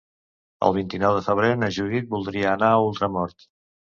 El vint-i-nou de febrer na Judit voldria anar a Ultramort.